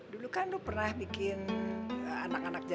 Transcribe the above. dulu kan lu pernah bikin anak anaknya